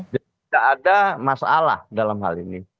jadi tidak ada masalah dalam hal ini